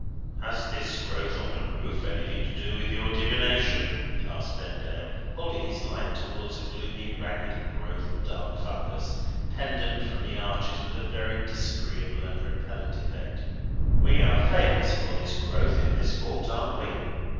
"Has this growth on the roof anything to do with your divination?" asked Vendale, holding his light towards a gloomy ragged growth of dark fungus, pendent from the arches with a very disagreeable and repellent effect. "We are famous for this growth in this vault, aren't we?"